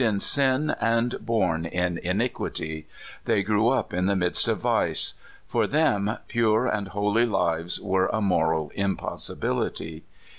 175 in sin and born in iniquity; they grew up in the midst of vice. For them, pure and holy hves were a moral impossibility.